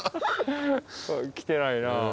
来てないな。